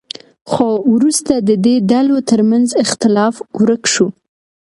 خو وروسته د دې ډلو ترمنځ اختلاف ورک شو.